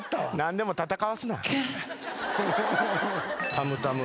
たむたむ。